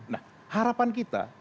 nah harapan kita